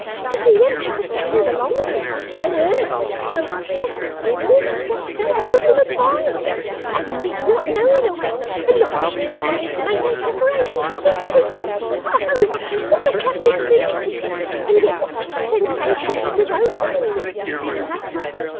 To see them two a settin' along with him and her, so pleasant and in all respects so affable and mild; and me not knowing of it, and not being in the ways to make no preparations for their teas. Ho what a cutting thing it is, and yet what sweet sensations is awoke within me!